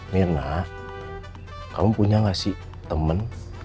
mirna kamu punya gak sih temen